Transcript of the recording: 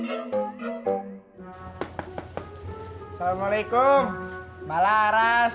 assalamualaikum mbak laras